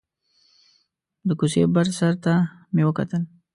د کوڅې بر سر ته مې وکتل.